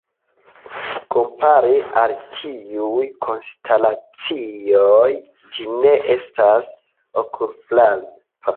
Kompare al tiuj konstelacioj ĝi ne estas okulfrapa.